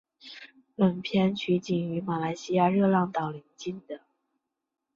本片取景于马来西亚热浪岛邻近的。